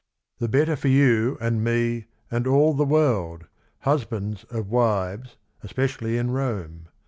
"The better for you and me and all the world, — Husbands of wives, especially in Rome.